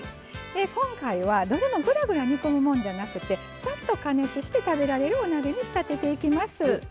今回は、どれもぐらぐら煮込むものじゃなくてさっと加熱して食べられるお鍋に仕立てていきます。